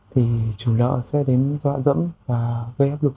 thì chủ nợ sẽ đến dọa dẫm và gây áp lực